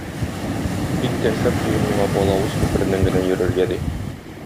Бик тә шәп булыр миңа балавыз күпереннән генә йөрергә,- ди.